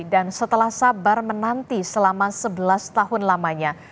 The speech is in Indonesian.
dan setelah sabar menanti selama sebelas tahun lamanya